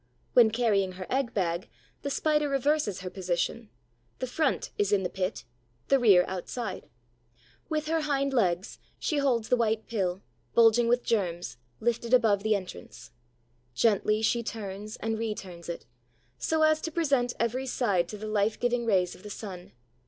When carrying her egg bag the Spider reverses her position: the front is in the pit, the rear outside. With her hind legs she holds the white pill, bulging with germs, lifted above the entrance; gently she turns and re turns it, so as to present every side to the life giving rays of the sun.